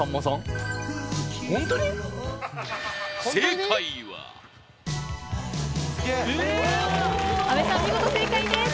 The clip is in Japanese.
正解は阿部さん、お見事正解です。